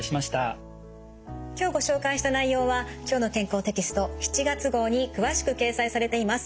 今日ご紹介した内容は「きょうの健康」テキスト７月号に詳しく掲載されています。